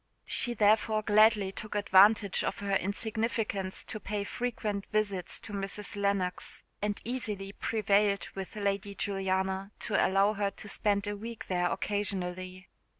She therefore gladly took advantage of her insignificance to pay frequent visits to Mrs. Lennox, and easily prevailed with Lady Juliana to allow her to spend a week there occasionally.